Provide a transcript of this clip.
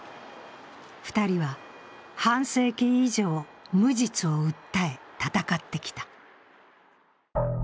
２人は半世紀以上、無実を訴え闘ってきた。